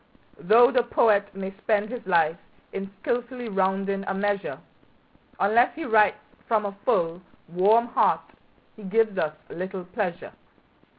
Though the poet may spend his life in skilfully rounding a measure, Unless he writes from a full, warm heart he gives us little pleasure.